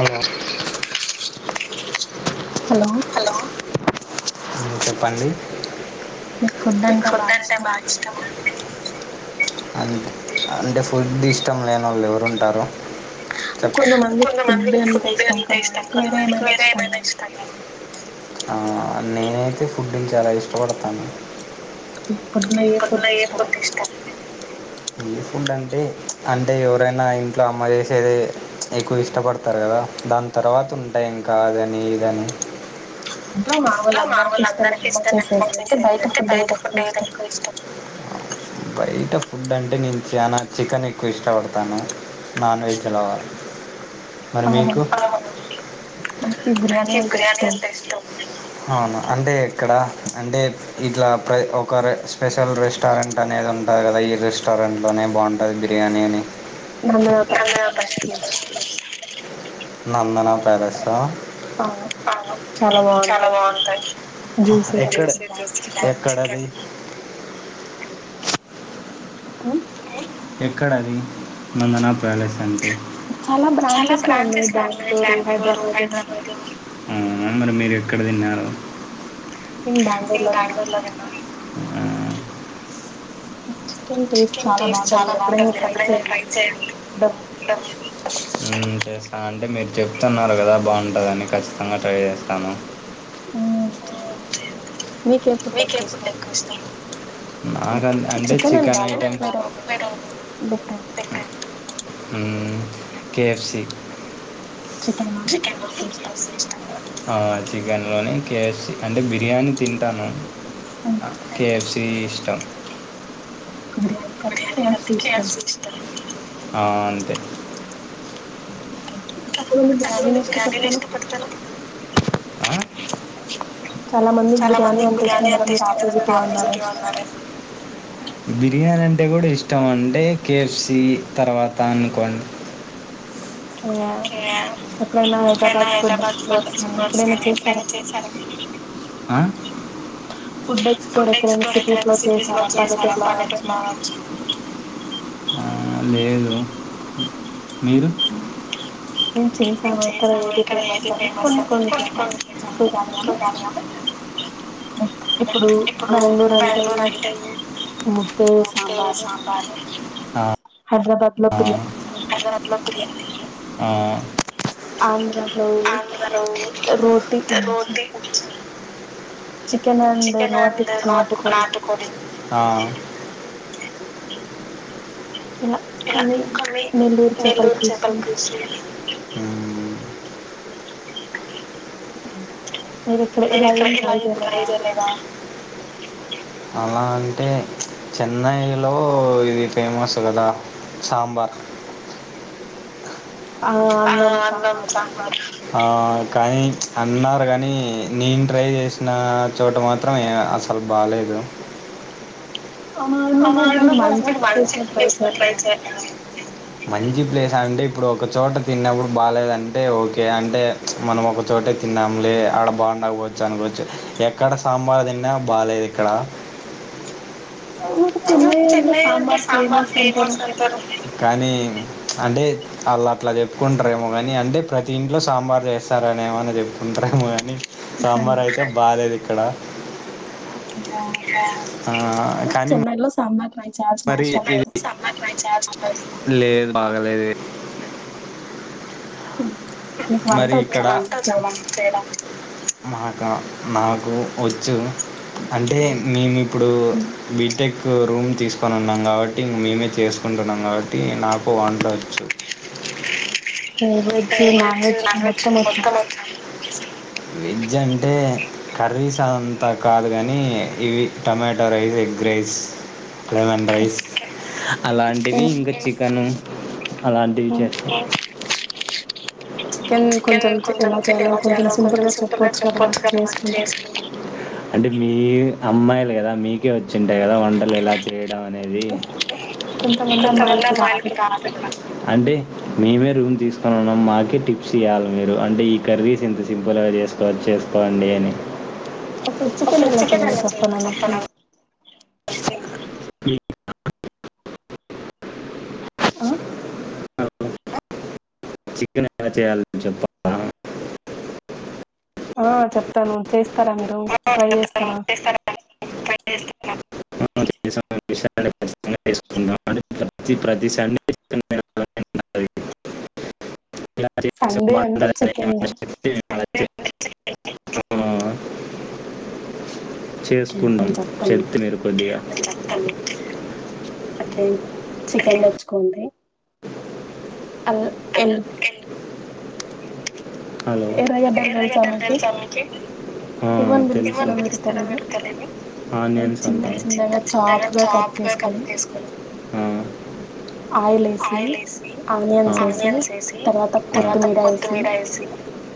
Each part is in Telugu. ఆ హలో చెప్పండి ఫుడ్ అంటే బాగా ఇష్టమా అండి అ అంటే ఫుడ్ ఇష్టం లేని వాళ్ళు ఎవరు ఉంటారు కొంత మందికి ఫుడ్ అంటే ఇష్టం కదా కొంత ఏమైనా ఇష్టంగ ఆ నేనైతే ఫుడ్ ను చాలా ఇష్టపడతాను ఇప్పట్లో ఏ ఫుడ్ ఇష్టం ఏ ఫుడ్ అంటే అంటే ఎవరైనా ఇంట్లో అమ్మ చేసేదే ఎక్కువ ఇష్టపడతారు కదా దాని తర్వాత ఉంటాయి ఇంకా అదని ఇదని ఇన్ అడి బుల్ ఇట్లా మామూలు అందరికీ ఇష్టమే అమ్మ చేసేది అంటే బయట ఫుడ్ ఏది ఎక్కువ ఇష్టం బయట ఫుడ్ అంటే నేను చాలా చికెన్ ఎక్కువ ఇష్టపడతాను నాన్ వెజ్ అలా మరి మీకు అవును అంటే ఎక్కడ అంటే ఇట్లా ప్ర ఒక స్పెషల్ రెస్టారెంట్ అనేది ఉంటది కదా ఈ రెస్టారెంట్లోనే బాగుంటుంది బిర్యానీ అని అహ యూన్నిట్ పాలిజీ బిల్ నందనా ప్యారేస్ఆ అవును చాలా బాగుంటాయి ఎక్కడ ఎక్కడ అది ఉ ఎక్కడ అది నందనా ప్యాలెస్ అంటే చాలా బ్రాంచెస్ లో ఉన్నాయి బెంగళూరు హైదరాబాద్ అవునా మరి మీరు ఎక్కడ తిన్నారు నేను బ్యాంగ్ ళూరు లో ఉన్నాను హ్మ్మ్ చికెన్ టేస్ట్ చాలా బాగుంటుంది మీరు ఎప్పుడైనా ట్రై చేయండి అంటే మీరు చెప్తున్నారు కదా బాగుంటదని ఖచ్చితంగా ట్రై చేస్తాను ఉం మీకేం ఫుడ్ ఎక్కువ ఇష్టం నాకు అంటే చికెన్ ఐటం ఇష్టం హ్మ్మ్ కేఎఫ్సి చికెన్ మ కెఎఫ్సి ఇష్టం ఆ చికెన్లోని కేఎఫ్సీ అంటే బిర్యానీ తింటాను అ కేఎఫ్సిఇష్ టా బిర్యానీ ఐతే కెఎఫ్సి ఇష్టం ఆహ్ అంతే. ఓకే చాల మంది బిర్యానినీ ఇష్టపడతాను. చాలా మందికి బిర్యానీ అంటే ఇష్టం కదా మీరు ఆపోజిట్ గా ఉన్నారు అండి. బిర్యానీ అంటే కూడా ఇష్టం అంటే కేఎఫ్సీ తర్వాత అనుకోండి. ఓకే ఎప్పుడైనా హైదరాబాద్ ఫుడ్ ఎక్స్ప్లోర్స్ కానీ ఎప్పుడైనా చేసారా. ఆహ్. ఫుడ్ ఎక్స్ప్లోర్ ఎక్కడైనా సిటీస్ లో చేసారా పల్లెటూర్లోకవచ్చు. ఆహ్ లేదు. ఓకే నేను చేశాను అక్కడ ఏది ఫేమస్ అని కొన్ని కొన్ని చేశాను ఎక్కువ కాదుగానీ ఇప్పుడు బ్యాంగ్ ళూరు అంటే ముద్దే సాంబార్ హైదరాబాద్ ఆహ్. ఆహ్. ఆంధ్రాలో రోటీ రోటి ఉప్చ్. చికెన్ అండ్ నత్ నాటుకోడి. ఎలా కమ్మిన్ నెల్లూరు చెపల పూలుసు. ఉమ్ ఆహ్. మీరు ఇక్కడ ఇలా ఏం ట్రై చేయలేదా. అలా అంటే చెన్నైలో ఇది ఫేమస్ కదా సాంబార్. ఆహ్ అన్నం సాంబారు. కానీ ప్చ్ అన్నారు కానీ నేను ట్రై చేసిన చోట మాత్రం ఏం అసలు బాలేదు. ఆహ్ అన్న భోజనం మంచిగ చేసిన ట్రై చేయలేదా. మంచి ప్లేస్ అంటే ఇప్పుడు ఒకచోట తిన్నప్పుడు బాగాలేదంటే ఓకే అంటే ప్చ్ మనం ఒకచోటే తిన్నాములే అడ బాగుండకపోవచ్చు అనుకోవచ్చు ఎక్కడ సాంబార్ తిన్నా బాలేదు ఇక్కడ. నాకు చెన్నైయ్ అంటే సాంబార్ ఫేమస్ అంటారు. కానీ ప్చ్ అంటే వాళ్ళు అట్లా చెప్పుకుంటారేమో కానీ అంటే ప్రతి ఇంట్లో సాంబార్ చేస్తారని ఏమని చెప్పుకుంటారేమో కానీ. సాంబార్ అయితే బాలేదు. ఎక్కడ. ఓకే అలాయితే చెన్నైలో సాంబార్. చాల్సిన అవసరం లేదు. లేదు బాగలేదు. మరి ఇక్కడ మాకా నాకు వచ్చు అంటే మేము ఇప్పుడు బీటెక్ రూమ్ తీసుకొని ఉన్నాం కాబట్టి మేమే చేసుకుంటున్నాం కాబట్టి నాకు వంటచ్చు అ బరి వెజజ్ నాన్ వెజ్ మొత్తం వచ్చాం వెజ్ అంటే కర్రీస్ అంతా కాదు కానీ ఇవి tomato rice egg rice lemon rice అలాంటివి ఇంకా చికెను అలాంటివి చేస్తయి చె కొంచలో కొపుల్గా చెప్పచ్చు కదా అంటే అమ్మాయిలు కదా మీకే వచ్చింటాయి కదా వంటలు ఎలా చేయడం అనేది కొంతమంది అమ్మాయిలకి రావాల అంటే మేమే రూమ్ తీసుకున్నాం మనం మాకే టిప్స్ ఇయ్వాలి మీరు అంటే ఈ కర్రీస్ ఎంత సింపుల్గా చేసుకోవచ్చ చేసుకోండి అని ఓకే చికెన్ ఎలా చేయలో చెప్పన మకి ఇ ఆ చికెన్ ఎలా చేయాల చెప్పాలా ఆ చెప్తాను చే ఇస్తారా మీరు ట్రై చేస్తారా ఖచ్చికుా ప్ర క్ ఆ చేసుకున్నాం చెత్తి మరుపొద్దిగా అ అకే చికెన్ తెచ్చుకుంది అవ్ ఎందు హలో ఆ తెలుసు ఆనియన్స్ అంటా ఆ ఆ ఆ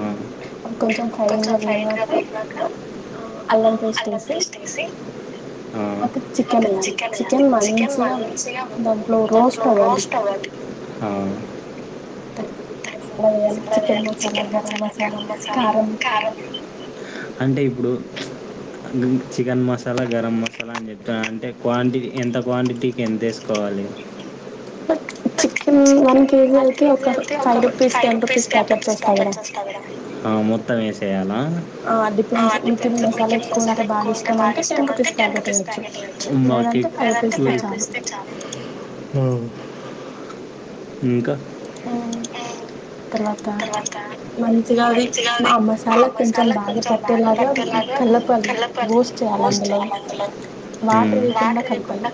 ఆ ఆ మోస్ట్ అవన్ తర్వాత అంటే ఇప్పుడు చికెన్ మసాలా గరం మసాలా అని చెప్తాను అంటే క్వాంటిటీ ఎంత క్వాంటిటీకి ఎంతేసుకోవాలి చికెన్ వన్ కేజీ అయితే ఒక five rupees ten rupees packets వస్తాయి కదా ఆ మొత్తం ఏసేయాలి నా మాకి హూ ఇంకా ఆ తర్వాత మంచిగా అది ఆ మసాలా కొంచెం బాగా పట్టేలాగా కలపాలి రోస్ట్ చేయాలి అందులోని వాటర్ వేయకుండా కలపాలి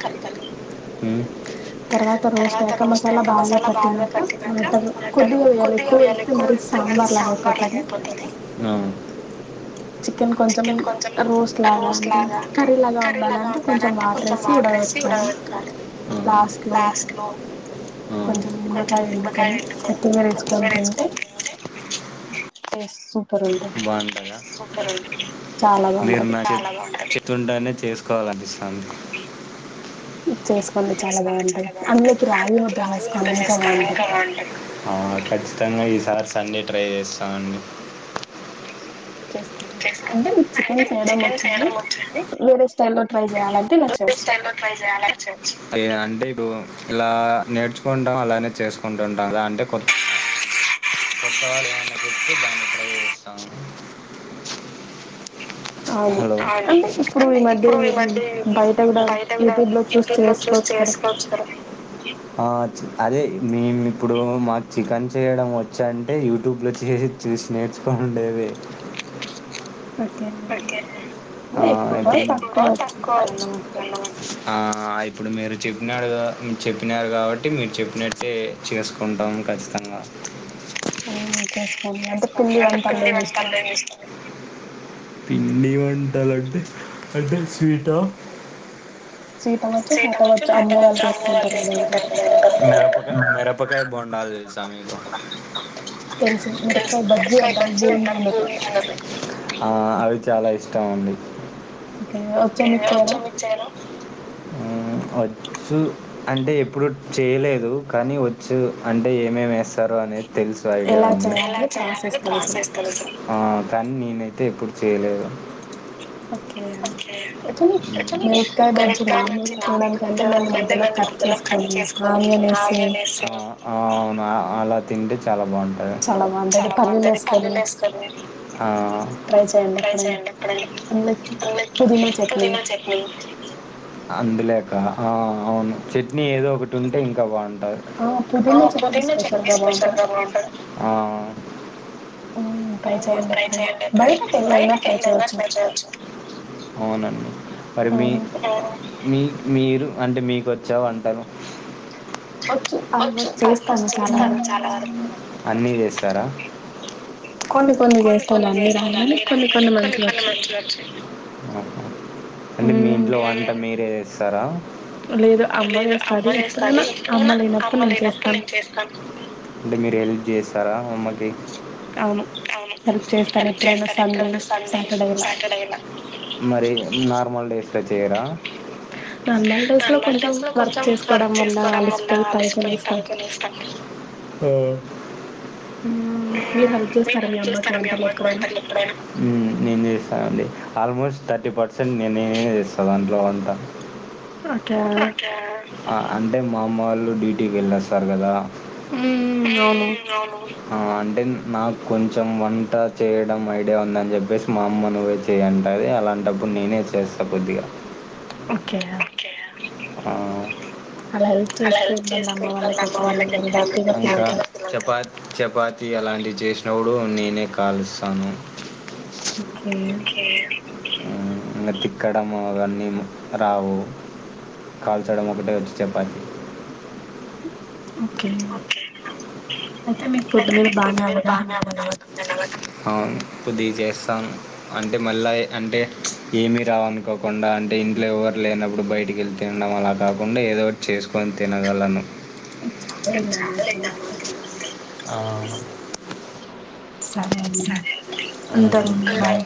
తర్వాత రోస్ట్ అయ్య క మసాలా బాగా పట్టినా పట్టినక వాటర్ కోద్ధిగా వేయాలి ఎక్కువ వేస్తే మరి సాంబార్ లాగా అయి పోతది అవు చికెన్ కొంచెం రోస్ట్ లాగా అంటే కర్రీ లాగా ఉండాలంటే కొంచెం వాటర్ ఎసి ఉడక పెట్టుకోవాలి లాస్ట్ లో కొంచెం నిమ్మకాయ పిండుకొని కొత్తిమీర వేసుకొని తింటే టేస్ట్ [unintelligible] పతుండనే చేసుకోవాలనిస్తుంది చేసుకుంటే చాలా బావుంటాది అందులో కి రాగి ముద్ద చేసుకోండి ఇంకా బావుంటది ఖచ్చితంగా ఈసారి సండే ట్రై చేస్తా అండి చేసుకోరు అంటే మీకు చికెన్ చేయడం వచ్చండి వేరే స్టైల్లో ట్రై చేయాలని ్రై అలా [unintelligible] అంటే ఇప్పు ఇలా నేర్చుకుంటాము అలానే చేసుకుంటు ఉంటాం అలా అంటే కొత్త వాళ్ళు ఏమన్న చెిప్తె దాన్ని ట్రై చేస్తాము అవును అంటే ఇప్పుడు ఈ మధ్య బయట కూడా యూట్యూబ్ లో చూసి చేసుకోవచ్చు కదా అదే మేము ఇప్పుడు మాకు చికెన్ చేయడం వచ్చా అంటే యూట్యూబ్లో చేసి చూసి నేర్చుకోని ఉండేదే ఓకే ఆ ఇప్పుడు మీరు చెప్పినాడుగా చెప్పినారు కాబట్టి మీరు చెప్పినట్టే చేసుకుంటాము ఖచ్చితంగా ఉమ్ అదకుంది వంత అలోం ఇష్ట [unintelligible] పిండివంటలు అంటే స్వీట్ అ మిరపకాయ్ బోండాలు తేలుసా మీకు ఆ అవి చాలా ఇష్టం అండి ఓకే ఒచ్చో మక్స్ [unintelligible] అార వచ్చు అంటే ఎప్పుడు చేయలేదు కానీ వచ్చు అంటే ఏమేమి వేస్తారో అనేది తెలుసు ఐడియా ఉంది కానీ నేనైతే ఎప్పుడు చేయలేదు ఓకే ఎచ్చని మే [unintelligible] రుట్కాబద్జీ నా తినడానికంటే దాన్ని మధ్యలో కట్ చేసుకోండి ఆనియన్ వేసి. ఆ అలా తింటే చాలా బాగుంటది. చాలా బాగుంటది పల్లీలు వేసుకని ట్రై చెయండి ఎపుడైనా అందులోకి పుదీనా చట్నీ. అందులేక అ అవును. చట్నీ ఏదో ఒకటి ఉంటే ఇంకా బాగుంటది. మ్ ట్రై చేయండి ఎపుడైనా బయటకెన్నున్న ట్రైయొచ్చు. అవునని మరి మీ మీ మీరు అంటే మీకు వచ్చా వంటలు. ా అన్ని చేస్తారా కొన్ని కొన్ని చేస్తాను అన్ని రావు కాని కొన్ని కొన్ని మంచిగ వచ్చు. ఆ అంటే మీ ఇంట్లో వంట మీరు. చేస్తరా లేదు అమ్మ చేస్తాది నేను అమ్మ లేనప్పుడు నేను చేస్తాను. చేస్తారా అమ్మకి. అవును హెల్ప్ చేస్తను ఎప్పుడైన సండే, సాటర్డే అయినా. నార్మల్ డేస్ లో కొంచెం వర్క్ చేసుకోవడం వల్ల అలసిపోయి పడుకునేస్తాం. హా మ్ మీరు హెల్ప్ హస్తారా మీ అమ్మకు వంటలొ ఎపుడైనా. ఆల్మోస్ట్ థర్టీ పర్సెంట్ నినే చేస్తా దాంట్లో వంట. ఖాన్ ఆ అని మా అమ్మ వాళ్ళు డ్యూటీకి వెళ్ళొస్తారు కదా. మ్ అవును ఆ అంటే నాకు కొంచెం వంట చేయడం ఐడియా ఉందని చెప్పేసి మా అమ్మ నువ్వే చేయంటాది అలాంటపుడు నేనే చేస్తా కొద్దిగా. ఒకే ఆ అలా చూసి చేస్తే ఇంట్లో ఉన్న అమ్మ వాళ్ళకీ హెల్ప్ అయితది. చేసినప్పుడు నేనే కాలుస్తాను. ఒకే మ్ ఇక తిక్కడము అవన్నీను రావు కాల్చడం ఒకటే వచ్చు చపాతి. ఒ [inaudible] అయితే మీకు ఫుడ్ మీద బానే అవగాహన ఉంది అన్న మాట ప్పుుద్ది చేేస్తాను అంటే మళ్ళీ అంటే ఏమీ రావనుకోకుండా అంటే ఇంట్లో ఎవరు లేనప్పుడు బయటికి వెళ్ళి తినడం అలా కాకుండా ఏదో ఒకటి చేసుకొని తినగలను ఆ సరే అండి ఉంటాను బాయ్